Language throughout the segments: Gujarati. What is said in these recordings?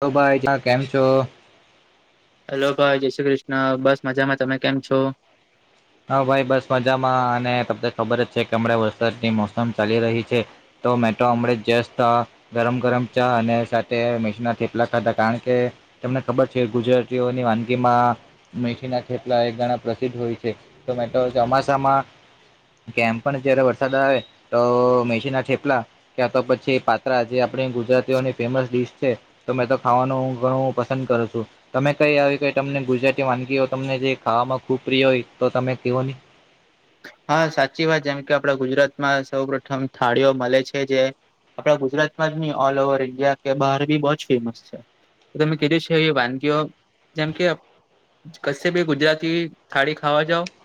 હ ભાઈ કેમ છો હેલો ભાઈ જય શ્રી કૃષ્ણ બસ મજામાં તમે કેમ છો હા ભાઈ બસ મજામાં અને તમને ખબર જ છે કે હમણાં વરસાદની મોસમ ચાલી રહી છે તો મેટ્રો અમરે જસ ગરમ ગરમ ચા અને સાથે મિકશ ના થેપલા ખાધા કારણ કે તમને ખબર છે ગુજરાતીઓની વાનગીમાં મેશનાપલા એક ગાણા પ્રસિદ્ધ હોય છે તોમે તો ચોમાસામાં કેમ પણ જયારે વરસાદ આવે તો મેસીના ઠેપલા કે તો પછી પાત્રા જે આપણી ગુજરાતીઓની ફેમસ ડીશ છે તો મેં તો ખાવાનું ઘણું પસંદ કરું છું તમે કઈ આવી કે તમને ગુજરાતી વાનગીઓ તમને જે ખાવામાં ખુબ પ્રિય હોય તો તમે કવો નહી હા સાચી વાત જેમ કે આપડા ગુજરાતમાં સૌ પ્રથમ થાળીઓ મળે છે જે આપડા ગુજરાતમાં જ નહી ઓલ ઓવર ઇન્ડિયા કે બહાર બી બહ જ ફેમસ છે તો તમે કીધું છે એ વાનગીઓ જેમ કે કશે ભી ગુજરાતી થાળી ખાવા જાવ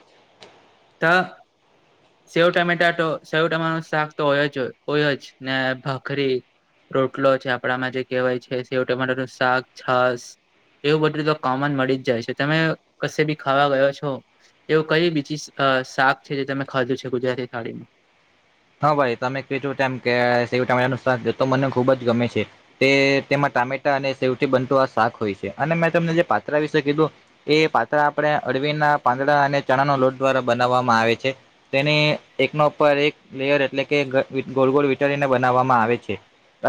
તો સેવ ટમેટાટો સેવ ટાટા ન શાક તો હોય જ હોય જ ને ભખરી રોટલો છે આપડામાં જે કહેવાય છે સવટનું શાક છાસ. એવું બધું તો કોમન મળી જ જાય છે તમે કશે બી ખાવા ગયો છો. એવું કય બીજી શાક છે જે તમે ખાધ્યું છે ગુજરાતી થાળીમાં હા ભાઈ તમે કું ટાઈમ ક તો મને ખુબ જ ગમે છે તે તેમાં ટામેટા અને સેવથી બનતું આ શાક હોય છે અને મેં તમને જે પાત્રળા વિશે કીધું એ પાત્રળ આપણે અળવીના પાંદડા અને ચણા નો લોટ દ્વારા બનાવવામાં આવે છે તેની એકનો ઉપર એક લેયર એટલે કે ગોળ ગોળ વિઠળને બનાવવામાં આવે છે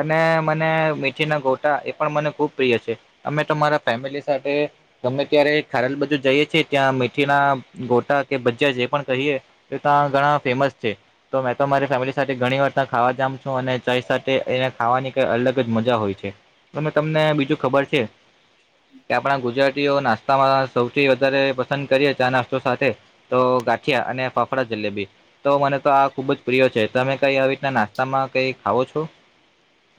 અને મને મીઠી ના ગોટા એ પણ મને ખુબ પ્રિય છે. અમે તમારા ફેમિલી સાથે તમે ત્યારે ખારેલ બાજુ જઈએ છેી ત્યાં મેીઠીના ગોટા કે ભજા જે પણ કહીએ. તો ત્યાં ઘણા ફેમસ છે. તો મેં તો મારી ફેમિલી સાથે ઘણી વાર ત ખાવા જામ છું અને ચઈ સાથે એને ખાવાની કઈ અલગ જ મજા હોય છે. તમે તમને બીજું ખબર છે. કે આપણા ગુજરાતીઓ નાસ્તામાં સૌથી વધારે પસંદ કરીએ છે, આ નાસ્તો સાથે તો ગાંઠિયા અને ફાફડા જલેબી તો મને, તો આ ખુબ જ પ્રિય છે તમે કઈ આવી રીતના નાસ્તામાં કઈ ખાવો છો.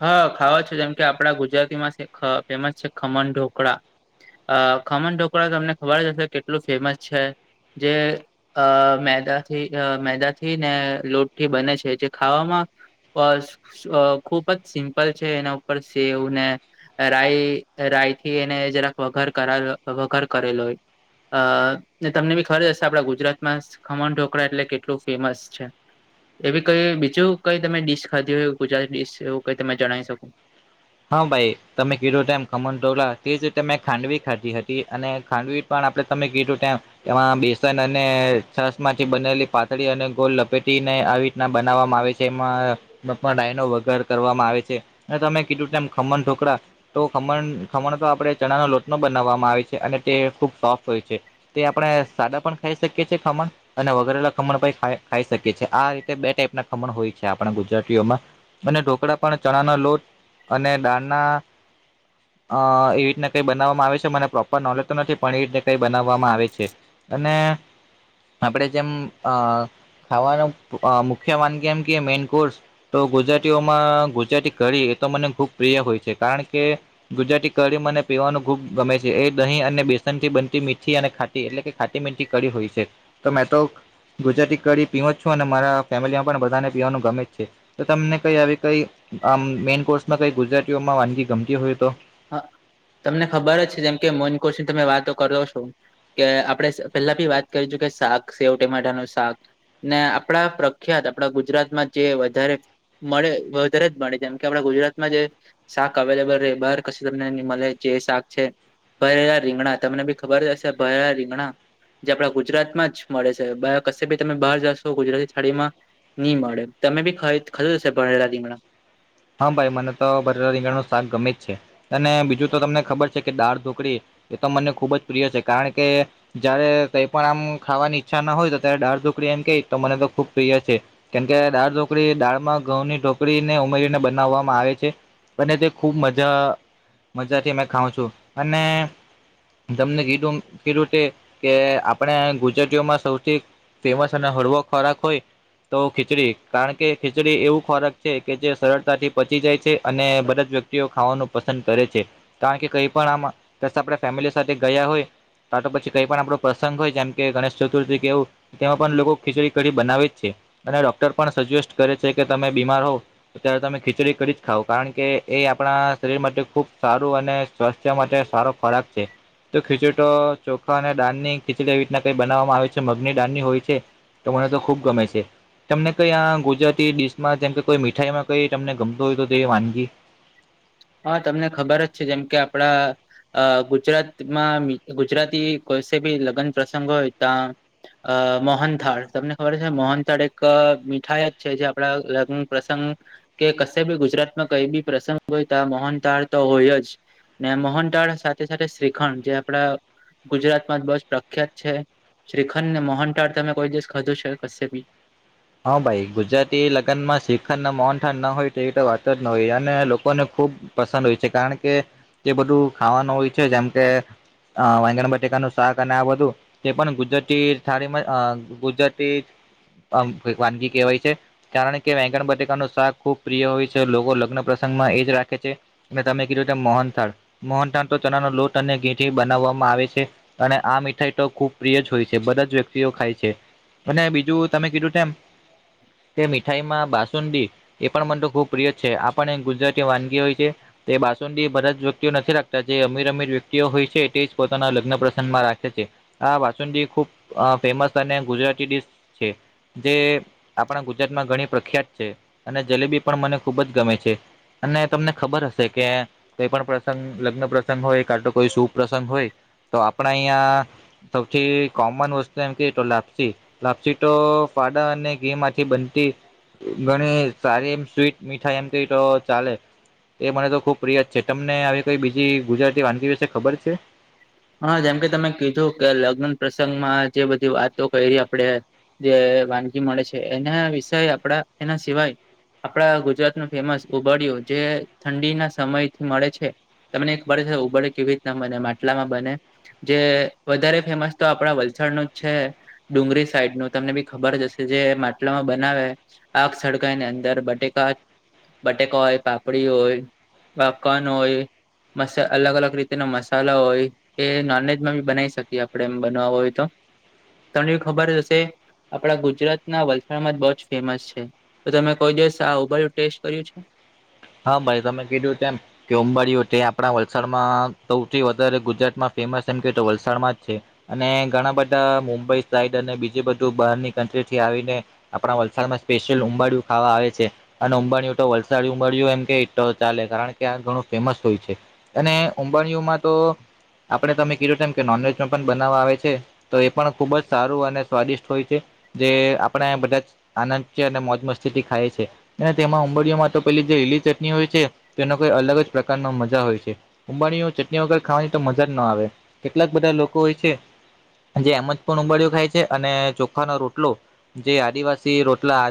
હા ખાવા છો જેમ કે આપડા ગુજરાતીમાં છે ફેમસ છે, ખમણ ઢોકળા અ ખમણ ઢોકળા તમને ખબર જ હશે કેટલું ફેમસ છે, જે અ મેદાથી મેદાથી ને લોટથી બને છે, જે ખાવામા અ ખુબ જ સિમ્પલ છે એના ઉપર સેવ ને રાય રાય થી એને જરાક વઘાર કર વઘર કરેલો હોય. અ ને તમને બી ખબર હશે, આપડા ગુજરાતમા ખમણ ઢોકળા એટલે કેટલું ફેમસ છે. એવીી કઈ બીજું કઈ તમે ડીશ ખાધી હોય, ગુજરાતી શ એવું કઈ તમે જણાવી શકો હા, ભાઈ તમે કીડો ટમ કમન ટોલા તે જ રીતે મેં ખાંડવી ખાધી હતી અને ખાંડવી. પણ આપણે તમે ગી ટુ ટાઈમ એમાં બેસન અને છાસ માંથી, બનેલી પાથળી અને ગોલ લપેટીને આવી ના બનાવવામાં આવે છે, એમાં પણ ડાયનો વગર કરવામાં આવે છે, અને તમે કેટું ટાઈમ, ખમન ઠોકરા તો ખમણ ખમણ તો આપણે ચણાનો લોટ નો બનાવવામાં આવે છે, અને તે ખુબ સોફ્ટ હોય છે. તે આપણે સાદા પણ ખાઈ શકીએ છેએ, ખમણ અને વગરેલા ખમણ પણ ખાઈ શકીએ છીએ આ રીતે બે ટાઈપ ના ખમણ હોય છે, આપણા ગુજરાતીઓમાં અને ઢોકળા, પણ ચણાનો લોટ અને ડાળના અ એ રીતના કઈ બનાવવામાં આવે છે, મને પ્રોપર નોલેજ તો નથી પણ એ રીતના કઈ બનાવવામાં આવે છે. અને આપડે, જેમ અ ખાવાનો મુખ્ય વાનગી એમ કે મેઈન કોર્સ તો ગુજરાતીઓમાં ગુજરાતી ઘડી એ તો મને ખૂબ પ્રિય હોય છે, કારણ કે ગુજરાતી કરમ અને પીવાનું ખૂબ ગમે છે, એ દહીં અને બેસન થી બનતી મીઠી અને એટલે કે ખાતી મીંથી કરી હોય છે, તો મેં તો ગુજરાતી કી પીવો છો અને મારા ફેમિલી માં પણ બધાને પીવાનું ગમે જ છે. તો તમને કઈ આવી કઈ આમ મેન કોર્સમાં કઈ ગુજરાતીઓમાં વાનગી ગમતી, હોય તો હ તમને ખબર જ છે, જેમ કે મોન કોુશની તમે વાતો કરો છો. કે આપડણે પેલા ભી વાત કરીજુ, ક શાક સેવ ટટેમાટા નું શાક ને આપણા પ્રખ્યાત આપણા ગુજરાતમાં જે વધારે મળે વધારે જ મળે જેમ, કે આપણા ગુજરાતમાં જે શાક અવેલેબલ ર બાર તમને મળે જે શાક છે, ભરેલા રીંગણા તમને બી ખબર જ હશે ભરેલા રીંગણા જે આપડા ગુજરાતમાં જ મળે છે, કશે ભી તમે બહાર જાશો ગુજરાતી થાળીમા નઈ મળે તમે બી ખ ખર હશે, ભણેલા રીમણા હા ભાઈ મને તો બરે રીંગાણ નું શાક ગમે જ છે, અને બીજું તો તમને ખબર છે, કે દાળ ઢોકળી એ તો મને ખુબ જ પ્રિય છે કારણ કે જયારે કઈ પણ આમ ખાવાની ઈચ્છા ના હોય તો ત્યારે દાળઢુકડી એમ ક તો મને તો ખુબ પ્રિય છે. કેમ કે દાળ ઢોકડી દાળ માં ઘઉંની ઢોકરી ને ઉમેરીને બનાવવામાં આવે છે, અને તે ખુબ મજા મજાથી અમે ખાઉં છુ, અને તમને કીધુ-કીધુ તે કે આપણે ગુજરાતીઓમાં સૌથી ફેમસ અને હળવો ખોરાક હોય. તો ખીચડી કારણ કે ખીચડી એવું ખોરાક છે, કે જે સરળ થી પચી જાય છે અને બધા જ વ્યક્તિઓ ખાવાનું પસંદ કરે છે. કારણ કે કઈ પણ આમાં બસ આપણા ફેમિલી સાથે ગયા હોય તા તો પછી કઈ પણ આપણો પ્રસંગ હોય જેમ કે ગણેશ ચતુર્થી કેવું તેમાં પણ લોકો ખીચડી કઢી બનાવે જ છે અને ડોક્ટર પણ સજેસ્ટ કરે છે કે તમે બીમાર હોવ ત્યારે તમે ખીચડી કરી જ ખાવ કારણ કે એ આપણા શરીર માટે ખૂબ સારું અને સ્વાસ્થ્ય માટે સારો ખોરાક છે. તો ખીચડટો ચોખા અને ડાનની ખીચડી એવી રીતના કઈ બનાવવામાં આવે છે મગની ડાાનની હોય છે. તો મને તો ખુબ ગમે છે તમને કઈ આ ગુજરાતી ડિશમાં જેમ કે કોઈ મીઠાઈમાં કઈ એ તમને ગમતો હોય તો તે વાનગી? હા તમને ખબર જ છે જેમ કે આપડા અ ગુજરાતમાં ગુજરાતી કોસે ભી લગ્ન પ્રસંગ હોય ત્યા અ મોહનથાળ તમને ખબર છે મોહનથાળ એક મીઠાઈ જ છે જે આપણા લગ્ન પ્રસંગ કે કશે બી ગુજરાત માં કઈ બી પ્રસંગ હોય તા મોહનથાડ તો હોય જ ને મોહનદાળ સાથે-સાથે શ્રીખંડ જે આપડા ગુજરાતમાં બસ પ્રખ્યાત છે. શ્રીખંડને મોહનટાળ તમે કોઈ દિવસ કધો છે કશે બી? હા ભાઈ ગુજરાતી લગ્ન માં શીખર ના મોન થઠાણ ના હોય તેવી વાતો જ ન હોય અને લોકોને ખૂબ પસંદ હોય છે કારણ કે એ બધું ખાવાનું હોય છે જેમ કે હ વેગણ બટેકા નું શાક અને આ બધું. તે પણ ગુજરાતી થળીમાં ગુજરાતી વાનગી કહેવાય છે. કારણ કે વાકણ બત્રિકા ન શાક ખુબ પ્રિય હોય છે, લોકો લગ્ન પ્રસંગમાં એ જ રાખે છે. અને તમે કીધું છે મોહનથાળ મોનથાળ તો ચણા ન લોટ અને ઘીઠથી બનાવવામાં આવે છે. અને આ મીઠાઈ તો ખુબ પ્રિય જ હોય છે બધા જ વ્યક્તિઓ ખાય છે. અને બીજું તમે કીધું છે એમ તે મીઠાઈ માં બાસુંડી એ પણ મન તો ખુબ પ્રિય છે. આપણ ગુજરાતી વાનગી હોય છે. તે બાસુંડી બધા જ વ્યક્તિઓ નથી રાખતા જે અમીર અમીર વ્યક્તિઓ હોય છે તે જ પોતાના લગ્ન પ્રસંગમાં રાખે છે. હા બાસુંડી ખૂબ ફેમસ અને ગુજરાતી ડિશ છે જે આપણા ગુજરાતમાં ઘણી પ્રખ્યાત છે, અને જલેબી પણ મને ખુબ જ ગમે છે. અને તમને ખબર હશે કે કઈ પણ પ્રસંગ લગ્ન પ્રસંગ હોય કા તો કોઈ સુપ્રસંગ હોય તો આપણા અહીયાં સૌથી કોમન વસ્તુ એમ ક તો લેપ્સી. લાપ્સી તો ફાડા અને ઘી માંથી બનતી ઘણી સારી એમ સ્વીટ મીઠાઈ એમ ક તો ચાલે. એ મને તો ખુબ પ્રિય જ છે. તમને આવી કોઈ બીજી ગુજરાતી વાનગી વિશે ખબર છે? હા જેમકે તમે કીધું કે લગ્ન પ્રસંગમાં જે બધી વાતો કરી આપડે જે વાનગી મળે છે એના વિષય આપડા એના સિવાય આપણા ગુજરાત ન ફેમસ ઉબડિયો જે ઠંડીના સમયથી મળે છે. તને એકબર ઉડે કેવી રીત મને માટલામાં બને જે વધારે ફેમસ તો આપણા વલસાડ નું જ છે. ડુંગરી સાઈડ નું તમને બી ખબર જ હશે જે માટલામાં બનાવે આગ સળગાઈની અંદર બટેકા, બટેકા હોય, પાપડી હોય પાપકોન હોય મ અલગ અલગ રીતેના મસાલા હોય. એ નોનવેજમાં બી બનાવી શકીએ આપણે એમ બનવ હોય તો. તમને ખબર હશે આપણા ગુજરાતના વલસાડમાં જ બહુ જ ફેમસ છે. તો તમે કોઈ દિવસ આ ઉઊભાું ટેસ્ટ કર્યું છે. હા ભાઈ તમે કીજું તેમમ કે અંબડીઓ તે આપણા વલસાડમાં સૌથી વધારે ગુજરાતમાં ફેમસ એમ કે વલસાડમાં જ છે. અને ઘણા બધા મુંબઈ સાઈડ અને બીજી બધું બહારની કન્ટ્રી થી આવીને આપણા વલસાડમાં સ્પેશિયલ ઉંબાડિયું ખાવા આવે છે અને ઉંબાડયું તો વલસાડ ઉંબરયું એમ કે ચાલે કારણ કે આ ઘણું ફેમસ હોય છે અને ઉંબરિયુંમાં તો આપડણે તમે કીધું છે એમ કે નોનવેજ માં પણ બનાવવા આવે છે. તો એ પણ ખુબ જ સારું અને સ્વાદિષ્ટ હોય છે. જે આપણે બધા જ આનંદ છે અને મોજ મસ્તીથી ખાય છે અને તેમાં ઉંબડીઓમાં. તો પેલી જે લીલી ચટણી હોય છે તેનો કોઈ અલગ જ પ્રકારનો મજા હોય છે. ઉુંંબાણીઓ ચટણી વગર ખાવાની તો મજા જ ના આવે કેટલાક બધા લોકો હોય છે. જે એમ જ પણ ઉબળિયો ખાય છે અને ચોખાનો રોટલો. જે આદિવાસી રોટલા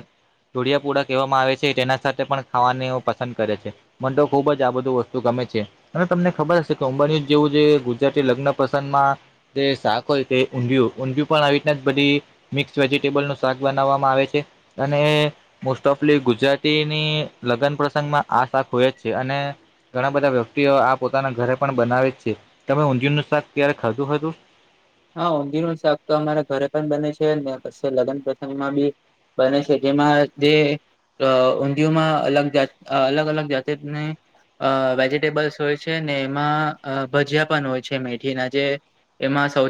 જોુડિયાપુડા કહેવામાં આવે છે તેના સાથે પણ. ખાવાને પસંદ કરે છે મ તો ખુબ જ આ બધું વસ્તુ ગમે છે. અને તમને ખબર હશે કે અંબણી જેવું જે ગુજરાતી લગ્ન પસંદ માં. જે શાક હોય તે ઊંધિયું ઊંધયું પણ આવી રીતના જ બધી. મિક્સ વેજીિટેબલ નું શાક બનાવવામાં આવે છે. અને મોસ્ટ ઓફલી ગુજરાતીની. લગ્ન પ્રસંગ માં આ શાખ હોય જ છે અને. ઘણા બધા વ્યક્તિઓ આ પોતાના ઘરે પણ બનાવે છે તમે ઊંધિર નું શાક ક્યારે ખાધું હતું. હા ઊંધીર નું શાક તો અમારા ઘરે પણ બને છે ને પ લગ્ન પ્રથમમાં બી. બને છે જેમાં જે. અ ઊંધિયયોમાં અલગ જાત અલગ અલગ જાતિને અ વેજિટેબલ્સ હોય છે ને એમાં ભજીયા પણ હોય છે મેથીના જે. એમાં સૌ.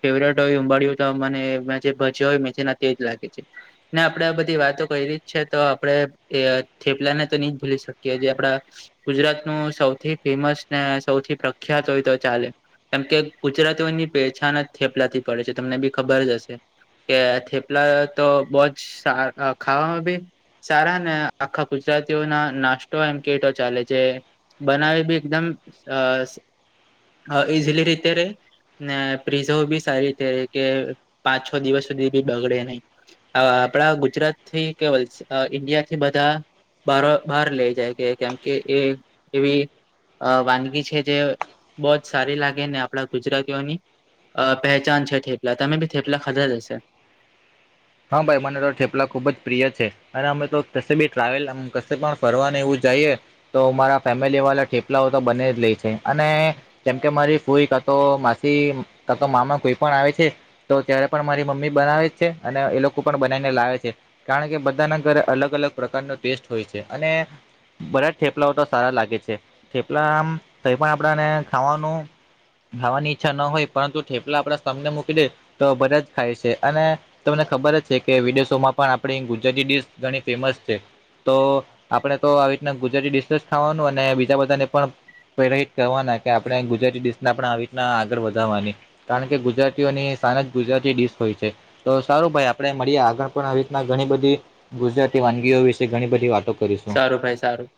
ફેવરેટ હોય ઉંબડી તો મને મે ભજ હોય મેના તેજ લાગે છે.. ને આપડે આ બધી વાતો કરી ર જ છે તો આપડણે. એ થેપલા ને તો નહી ભૂલી શકીએ જે આપડા. ગુજરાત નું સૌથી ફેમસ ને સૌથી પ્રખ્યાત હોય તો ચાલે. કેમ કે ગુજરાતીઓની પહેચાાન થેપલાતી પડે છે તમને બી ખબર જ હશે. કે થેપલા તો બહ જ ખાવામાં ભી. સારા ને આખા ગુજરાતીઓ ના નાસ્તો એમ કેટો ચાલે છે. બનાવી બી એકદમ ઈઝીલી રીતે રે. ને પ્રિઝો બી સારી રીતે કે પાંચ છ દિવસ સુધી બી બગડે નહી. આપડા ગુજરાત થી કેવ ઇન્ડિયા થી બધા. બાર બહાર લઈ જાય કે કેમ કે એ એવી. અ વાનગી છે જે બહ જ સારી લાગે ને આપડા ગુજરાત. ની પહેચાન છે થેપલા તમે બી થેપલા ખતાા જ હશે. હા ભાઈ મને તો ઠેપલા ખુબ જ પ્રિય છે. અને અમે તો ક બી ટ્રાવેલ ક પણ ફરવાનું એવું જઈએ. તો મારા ફેમિલી વાળા ઠેપલાઓ તો બને જ લે છે અને. કેમ કે મારી ફૂઈ ક તો માસી કતો મામા કોઈ પણ આવે છે તો ત્યારે પણ મારી મમ્મી બનાવે જ છે અને એ લોકો પણ બનાવીને લાવે છે. કારણ કે બધાના ઘરે અલગ અલગ પ્રકારનો ટેસ્ટ હોય છે અને. બધ જ થેપલાઓ તો સારા લાગે છે થેપલા આમ કઈ પણ આપણાને ખાવાનું. ખાવાની ઈચ્છા ન હોય પરંતુ થેપલા આપડા સ્મને મૂકી દે તો બધા જ ખાય છે અને તમને ખબર જ છે કે વિદેશોમાં પણ આપણી ગુજરાતી ડીશ ઘણી ફેમસ છે. તો આપણે તો આવી રીતના ગુજરાતી ડડીશ ખાવાનું અને બીજા બધાને પણ. પેલા કરવાના કે આપણે ગુજરાતી ડિશ પણ આવી રીતના આગળ વધવાની. કારણ કે ગુજરાતીઓની સાન જ ગુજરાતી ડીશ હોય છે. તો સારું ભાઈ આપણે મળીએ આગળ પણ આવી રીતના ઘણી બધી ગુજરાતી વાનગીઓ વિશે ઘણી બધી વાતો. કરીશું. સારું ભાઈ સારું.